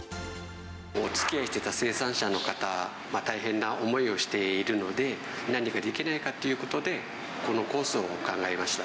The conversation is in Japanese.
おつきあいしていた生産者の方、大変な思いをしているので、何かできないかということで、このコースを考えました。